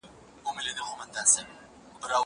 زه بايد شګه پاک کړم!؟